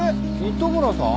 糸村さん？